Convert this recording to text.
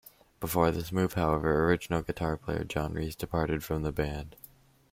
Before this move, however, original guitar player John Reese departed from the band.